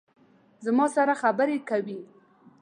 زما سره خبرې کوي